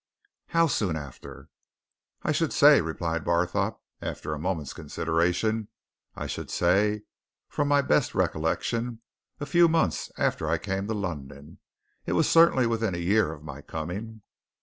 "How soon after?" "I should say," replied Barthorpe, after a moment's consideration, "I should say from my best recollection a few months after I came to London. It was certainly within a year of my coming."